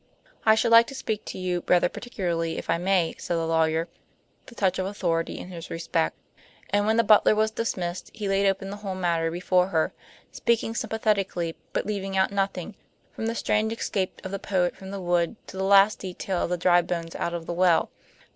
"I should like to speak to you rather particularly if I may," said the lawyer, with a touch of authority in his respect; and when the butler was dismissed he laid open the whole matter before her, speaking sympathetically, but leaving out nothing, from the strange escape of the poet from the wood to the last detail of the dry bones out of the well.